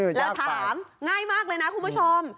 แล้วถามง่ายมากเลยนะคุณผู้ชม